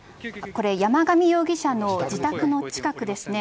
これは山上容疑者の自宅の近くですね。